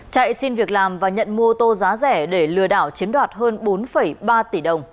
chạy xin việc làm và nhận mua tô giá rẻ để lừa đảo chiếm đoạt hơn bốn ba tỷ đồng